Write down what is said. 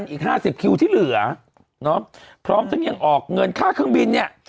อีก๕๐คิวที่เหลือพร้อมทั้งยังออกเงินค่าเครื่องบินเนี่ย